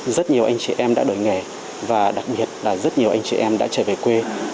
rất nhiều anh chị em đã đổi nghề và đặc biệt là rất nhiều anh chị em đã trở về quê